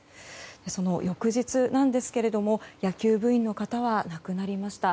その翌日なんですけれども野球部員の方は亡くなりました。